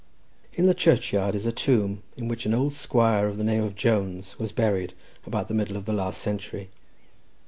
In the churchyard is a tomb, in which an old squire of the name of Jones was buried about the middle of the last century.